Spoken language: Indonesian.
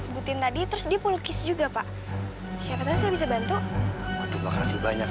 sebutin tadi terus dipulukis juga pak siapa siapa bisa bantu makasih banyak